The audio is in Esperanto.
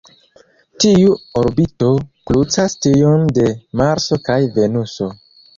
Tiu orbito krucas tiujn de Marso kaj Venuso.